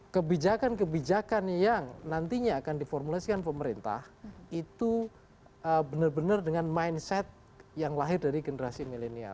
kebijakan kebijakan yang nantinya akan diformulasikan pemerintah itu benar benar dengan mindset yang lahir dari generasi milenial